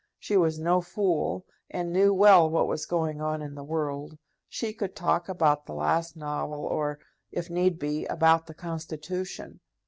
She was no fool, and knew well what was going on in the world. She could talk about the last novel, or if need be about the Constitution.